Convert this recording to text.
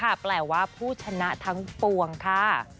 หมายและว่าผู้ชนะทั้งปวงคะ